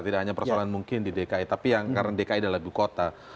tidak hanya persoalan mungkin di dki tapi yang karena dki adalah ibu kota